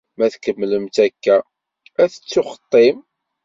Ma tkemmlem-tt akka, ad tettuxeṭṭim.